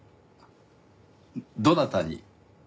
どなたに？